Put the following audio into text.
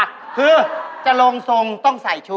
คือจะลงทรงต้องใส่ชุด